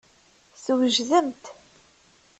Twejdemt.